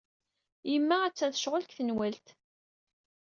Yemma attan tecɣel deg tenwalt.